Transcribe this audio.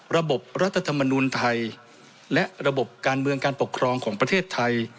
รัฐธรรมนุนไทยและระบบการเมืองการปกครองของประเทศไทย